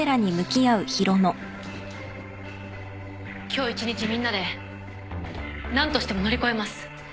今日一日みんなで何としても乗り越えます。